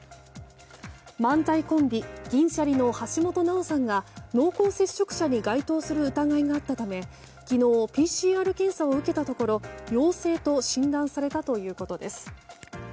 漫才コンビ銀シャリの橋本直さんが濃厚接触者に該当する疑いがあったため昨日、ＰＣＲ検査を受けたところ陽性と診断されたということです。